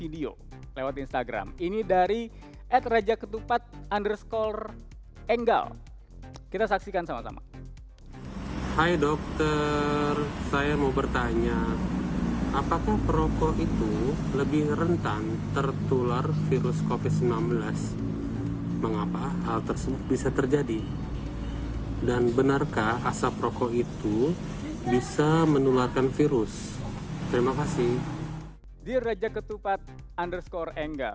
dear raja ketupat underscore engga